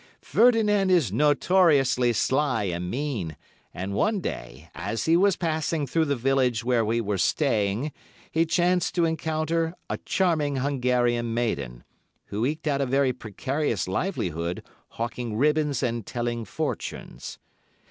'Ferdinand is notoriously sly and mean, and one day, as he was passing through the village where we were staying, he chanced to encounter a charming Hungarian maiden, who eked out a very precarious livelihood hawking ribbons and telling fortunes.